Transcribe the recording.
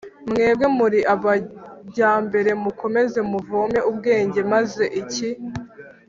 Mwebwe muri abajyambere mukomeze muvome ubwenge maze iki